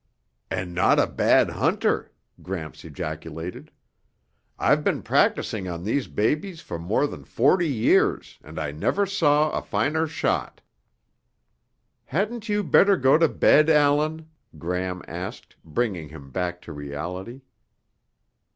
"And not a bad hunter!" Gramps ejaculated. "I've been practicing on these babies for more than forty years, and I never saw a finer shot!" "Hadn't you better go to bed, Allan?" Gram asked, bringing him back to reality.